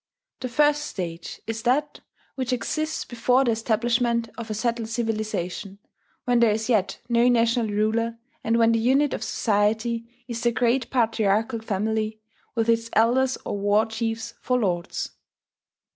The first stage is that which exists before the establishment of a settled civilization, when there is yet no national ruler, and when the unit of society is the great patriarchal family, with its elders or war chiefs for lords.